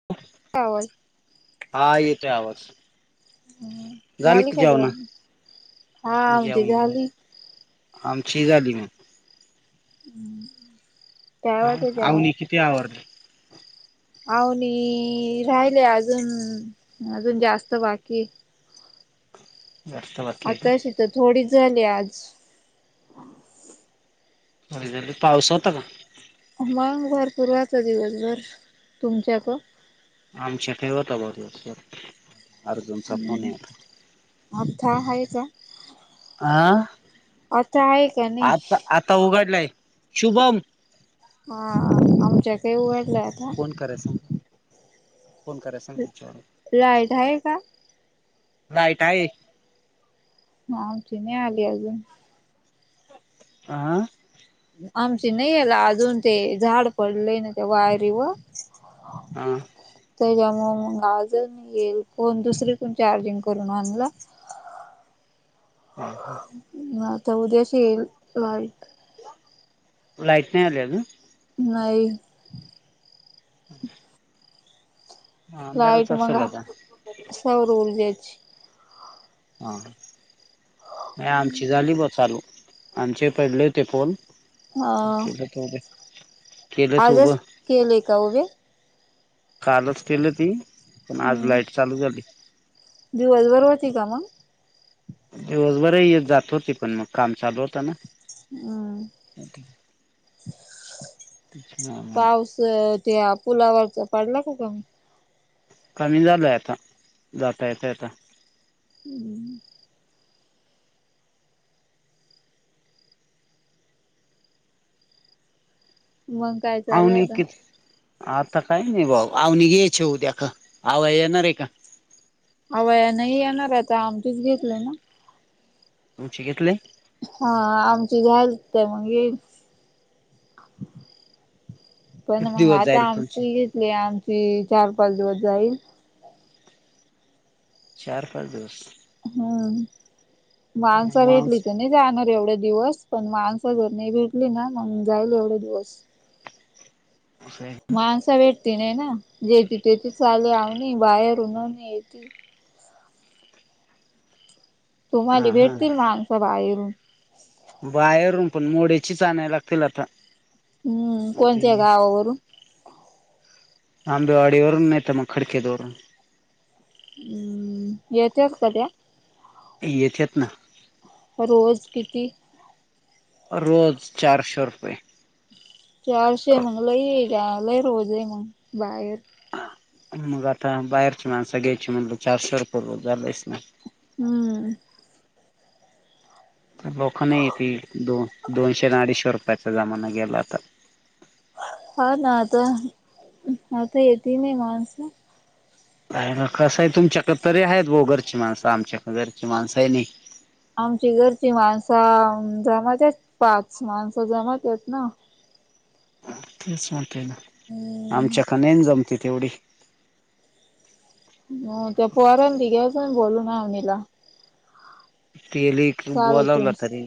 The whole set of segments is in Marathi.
[unintelligible] स [unintelligible] हा येतोय आवाज. झाल झाली की का जेवण. हा आमची झाली आमची झाली म हम्म [unintelligible] हा आवनी किती आवडलं [unintelligible] अवनी राहिले अजून अजून जास्त बाकी जास्त बाकी [unintelligible] आताशी तर थोडीच झाली आज [unintelligible] [unintelligible] होय झाले पाऊस होता का? कुंभावर फिरत होते जर तुमचा त [unintelligible] आमच्या काय वटा वर जोर [unintelligible] हम्म अथ आहे का [unintelligible] आ? आता आहे का नाही? आता आता उघडलाय शुभम हा आमच्या ईथे उघडलय. फोन कराय सांग. फोन कराय सांग हम त्याच्यावर लाईट आहे का? लाईट आहे. आमची नाही आली अजून. आह. आमची नाही आहेला अजून ते झाड पडलेय ना त्या वायरी वर [unintelligible] हम. त्याच्यामुल मग आज मी येईल फोन दुसरी कोण चार्जिंग करून आणला हा हा [unintelligible] ह तर उद्याशी येईल लाईट. लाईट नाही आली अजून? नाही. हम् [unintelligible] लाईट मगा आता. सौर ऊर्जा ची. हा. नाही आमची झाली बा चालू आमचे पडले होते फोन. अ केलं केलं केलं तुब आजच केले का उभे कालच केलं ती आज हम्म लाइट चालू झाली. दिवसभर होती का मंग? दिवसभर येत जात होती पण मग काम चालू होतं ना. हम [unintelligible] [unintelligible] अ त्या पुलावरचा पाडला कामी? कमी झालय आता जाता येता येता हम्म [unintelligible] मग? काय चालय आवनी आता किती आता काही नाही भाऊ आवने घ्यायच उद्या का आव येणार आहे का? अव यांनाही येणार आता आमटीच घेतलंय ना? तुमची घेतले? हा आमची झाल तर मग येईल. पण किती मग दिवस जाईल आता आम तुमचे घेतली आमची चार पाच दिवस जाईल. चार पाच दिवस. हम माणसे भेटली माणस की नाही जाणार एवढा दिवस पण माणस जर नाही भेटली ना मग जाईल एवढा दिवस. [unintelligible] माणस भेटती नाही ना जेथ तेथे चालू आ [unintelligible] बाहेर उनव येेते हा तुम्हाला हा भेटतील ना माणसं बाहेरून. बाहेरून पण मोड्याचीच आणायला लागतील आता. हम्म कोणत्या गावावरून? आंबेवाडीवरून नाहीतर मग खडके वरून. हम्म येत्याय का त्या? येत्यात ना. रोज किती रोज चारशे रुपये. चारशे आहे मंग [unintelligible] ला गला रोज ये मंग बाहेर. मग आता बाहेरची माणस घ्यायची म्हण चारशेर पूर्व झालंस ना. हम्म. तर लोकं नाही येतील दोन दोनशे अडीचशे रुपयाचा जमाना गेला आता. हा ना आता आता येती नाही माणसं. ना कसं आहे तुमच्याकडे तरी आहेत ग घरची माणसं आमच्याक घरची माणसं ही नाही. आमची घरची माणसं जमात आहेत पाच माणसं जमात आहेत ना. तेच म्हणतोय ना. हम् [unintelligible] आमच्याक नाही जमते तेवढी. हम ते पोरगं सांग बोलून आवनीला. ते लेकरू बोलावलं शाळेतून. तरी.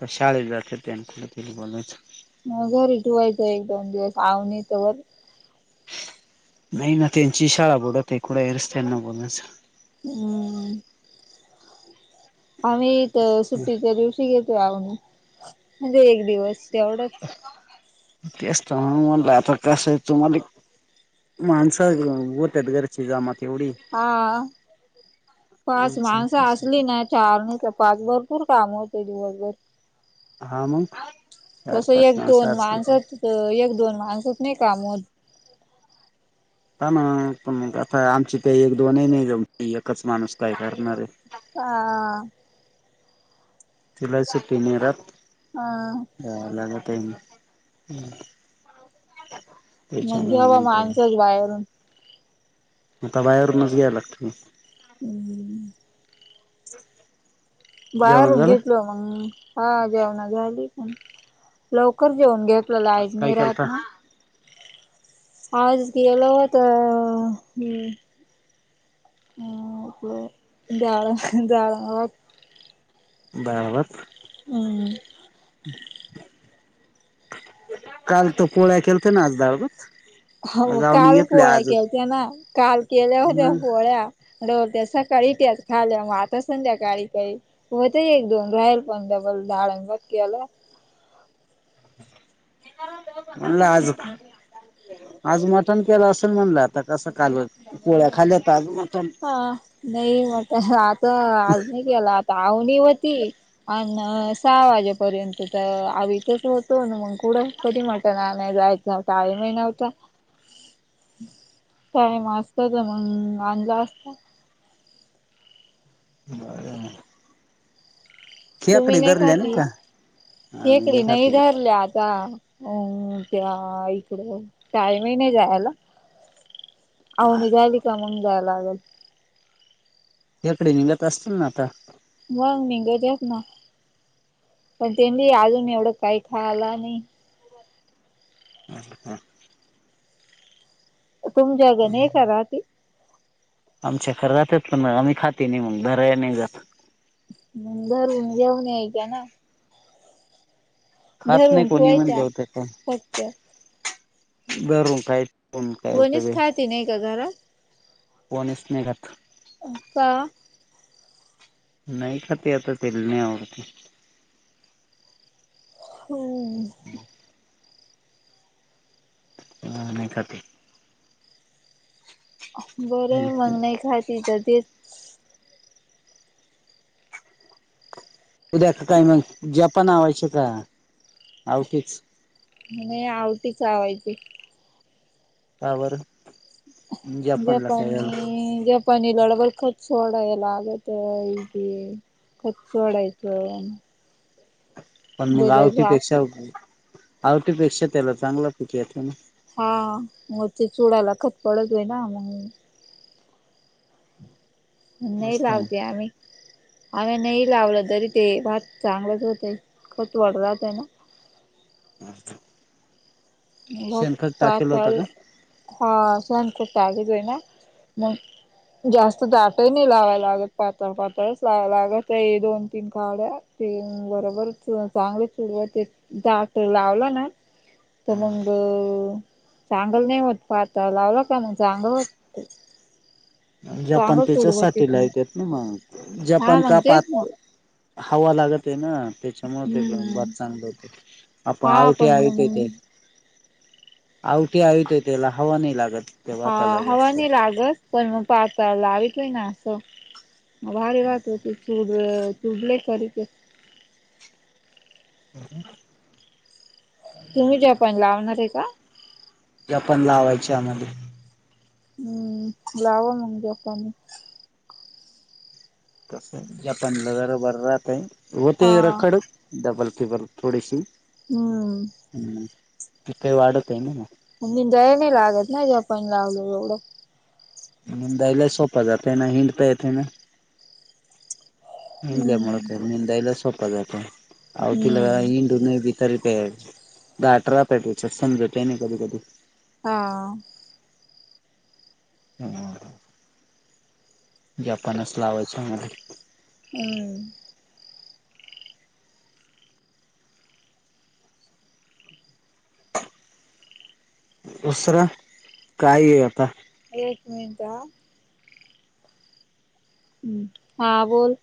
तर शाळेत जाते त्या कुठे बोलायचं मंग घरी ठेवायचा एक दोन दिवस अवनी तवर नाही ना त्यांची शाळा बूडत आहे कुडं हरच त्यांना बोलण्याचं. ह्म. आम्हीथ सुट्टीच्या दिवशी घेतो आण म्हणजे एक दिवस तेवढंच तेच तर म्हणला आता कसय तुम्हाले माणस ब त्यात घर चिा म एवढी [unintelligible] हा पाच अच्छा माणसं अच्छा असली ना चारणी तर पाच भरपूर काम होते दिवसभर. हा मग? चार तसं पाच एक माणसं दोन असली तर माणसात एक दोन माणसच नाही काम होत. का ना पण मग आता आमची ते एक दोनही नाही जाऊ एकच माणूस काय करणार आहे. हा. तिला सुट्टी नाही राहत. हा. जाला टईन [unintelligible] [unintelligible] आता बाहेरूनच घ्याय लागतं. [unintelligible] जेवण बाहेरून झालं? घेतलो मंग हां [unintelligible] झाली पण. लवकर जेऊन घेतलं लाईट आज काय नाही राहत केलता ना. आज केलं होतं हे [unintelligible] डाळ डाळ भात. [unintelligible] अम्म. काल तू पोळ्या केलत्या ना आज डाळ भात? हो आज आवनी काल घेतल्या पोळ्या आज केलत्या ना काल केल्या होत्या मग पोळ्या. [unintelligible] सकाळी त्या खाल्ल्या मग आता संध्याकाळी काही. [unintelligible] एक दोन राहील पण डबल [unintelligible] केलं. म्हणलं आज आज मटण केलं असेल म्हणलं आता कसं काल पोळ्या खाल्ल्या तर आज मटण. हां नाही मटण आता आज नाही केला आता आवनी होती आ न सहा वाजेपर्यंत तर [unintelligible] होतो ना मग कुढं कधी मटण आणाय जाय च टाईमही नव्हता. [inaudible] टाईम असतं तर मंग आणला असता. [unintelligible] तुम्ही खेकडे नाही धरले खाती? का? आम्ही खेकडी खात नाही धरल्या आता. अ त्या इकडं टाईमही नाही जायला. [unintelligible] झाली का मंग जायला लागेल. याकडे निघत असतील ना आता? मंग निघत्यात ना. पण त्यांनी अजून एवढं काय खायला नाही. हां हां. [unintelligible] राहती? आमच्या [unintelligible] पण आम्ही खाती नाही मंग धराय नाही जात. मंग धरून घेऊन यायच्या ना. खात नाही धरून कोणी म्हणलं ठेवायच्या होतं का फक्त धरून [unintelligible] काय उपयोग कोणीच आहे. खाती नाही का घरात? कोणीच नाही खात. का? नाही खाती आता तेल नाही आवडती. [unintelligible] हां नाही खाती. [inaudible] बरं आहे मंग नाही खाती तर तेच उद्या का काही मंग जपान आवायचे का? आवतीच? नाही आवटी चावायची. का बरं? जपानला काय झालं जपानी जप पाणी [unintelligible] सोडायला लागतं इथे. खत सोडायचं. पण दुधाचा ग्लास आवठीपेक्षा आवठपेक्षा त्याला चांगला पिक येत का ना [unintelligible] हा मग ते चुडाला खत पडत आहे ना मग. नी मस्त मग लावते आम्ही [unintelligible] आम्ही नाही लावलं तरी ते भात चांगलंच होतं खच वड राहत आहे ना. [inaudible] [unintelligible] बघ शेणखत टाकेल होता पाताल का हा सहन करतालेचय ना मग [unintelligible] जास्त दाटही नाही लावाय लागत पातळ पातळच लावाव लागत दोन तीन काड्या. ते बरोबर चांगले चुडव ते दाट लावलं ना [unintelligible] तर मग चांगल नाही होत पाहता लावला का मग चांगलं होत [inaudible] [unintelligible] जपान चांगल चुडवत त्याच्यासाठी लायकेत ना हा जपान का पात म्हणजेच ना हवा लागतये ना. त्याच्यामुळेते पण हम्म बात चांगली होते आपण हा आवठे पण आ ते मग [unintelligible] आवठी [unintelligible] आत आहे त्याला हवा नाही लागत. त्या हा भाताला हवा जास्त. नाही लागत पण मग पाचळ लावितेना अस. करीते [unintelligible] हो [unintelligible] तुम्ही जपान लावणार आहे का? जपान लावायचीये आमध्ये हम्म लाव मग जपाणीच. तस जपानला जरा बर राहतय उग ते हा रखड डबल टिबल थोडीशी. हम्म. हम् त काही वाढत आहे ना? म मी दय नाही लागत ना ज्या पण लागलो एवढं [unintelligible] दाईला सोप जाते ना हिडतायेते ना हंदे मत हम्म निंदयला सोप जात आवतीला हम्म हिंदू तरी ते [unintelligible] दहा अठरा पॅटेच्यात समजते नाही कधी कधी. हा. ह जपानस लावाचय मला. हम्म. दुसरा काय आता एक मिनट हा. हा बोल.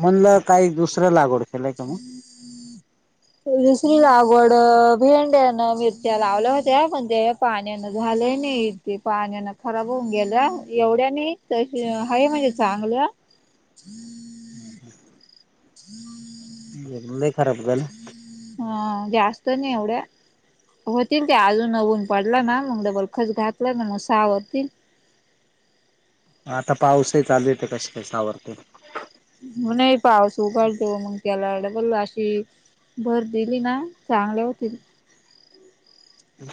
म्हणलं काही दुसरं लागवड केलंय का मग हम्म [unintelligible] दुसरी लागवड भिंड्यान मिरच्या लावल्या होत्या पण ते पाण्यान झालंय नाहीे ते पाण्यान खराब होऊन गेलं एवढ्या नाही तस हत्र म्हणजे चांगल [inaudible] [unintelligible] लय खराब झालं हा जास्त नाही एवढ्या होतील ते अजून वून पडलं ना मग डबल खच घातलं ना मग सा होतील. आता पाऊसही चालू आहे तर कशी काय सावरते? उन नाही पाऊस उघडतो मग त्याला ब अशी भर दिली ना चांगले होतील.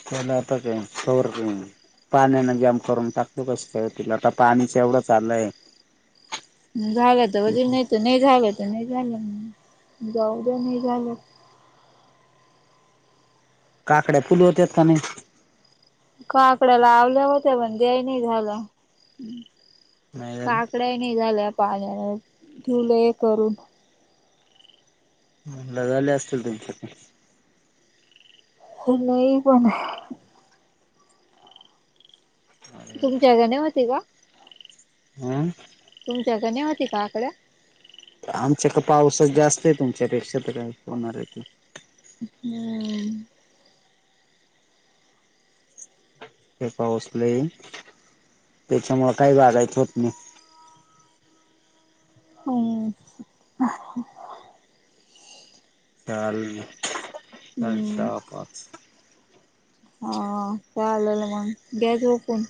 त्याला आता काय [unintelligible] पाण्याने जाम करून टाकतो. कस तिला आता पाणीच एवढंच चालूय. झालं तर अजून नाही तर नाही झाल. तर नाही झालं जाऊद्या नाही झालं. काकड्या फुल होत्यात का नाही. काकड्या लावल्या होत्या. पण द्याय नाही झालं नाही झाले काकड्या. निघाल्या पाण्याने ठेवले हे करून. म्हटलं झाले असतील तुमचा पण. हो नाही पण. [inaudible] [unintelligible] जादा नाही होते का. हम. तुमच्यात आणि होती का आकड. आमच्या कडे पावसात जास्त आहे. तुमच्यापेक्षा तर काही होणारेत. हम्. हे पाऊस लै त्यांच्यामुळे काय वागायचं होतं नाही. हम. चाल हम्म दहा पाच. हा चालेल मग द्यायच का मग फोन.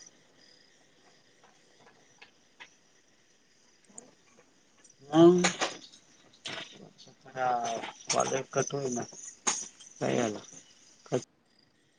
नाही. [unintelligible]